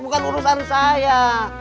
bukan urusan saya